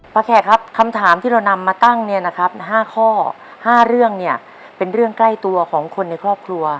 แขกครับคำถามที่เรานำมาตั้งเนี่ยนะครับ๕ข้อ๕เรื่องเนี่ยเป็นเรื่องใกล้ตัวของคนในครอบครัว